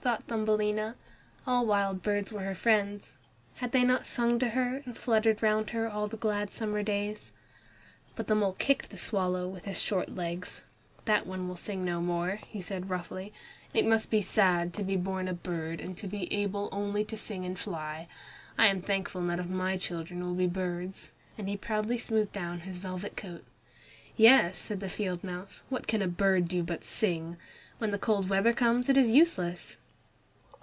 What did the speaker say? thought Thumbelina. All wild birds were her friends. Had they not sung to her and fluttered round her all the long glad summer days? But the mole kicked the swallow with his short legs. "That one will sing no more," he said roughly. "It must be sad to be born a bird and to be able only to sing and fly. I am thankful none of my children will be birds," and he proudly smoothed down his velvet coat. "Yes," said the field mouse; "what can a bird do but sing? When the cold weather comes it is useless."